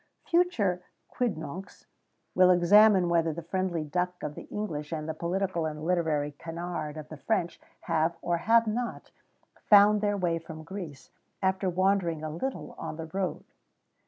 Future quidnuncs will examine whether the friendly duck of the English and the political and literary canard of the French have, or have not, found their way from Greece, after wandering a little on the road.